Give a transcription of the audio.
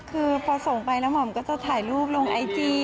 คือพอส่งไปแล้วหม่อมก็จะถ่ายรูปลงไอจี